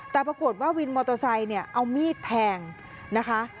แต่ประกวดว่าวินมอเตอร์ไซค์เอามีดแทงนะคะ